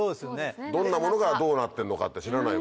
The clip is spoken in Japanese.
どんなものがどうなってんのかって知らないわ。